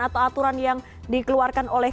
atau aturan yang dikeluarkan oleh